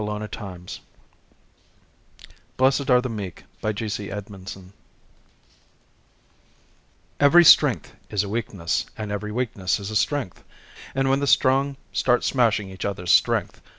BLESSED ARE THE MEEK _Every strength is a weakness, and every weakness is a strength. And when the Strong start smashing each other's strength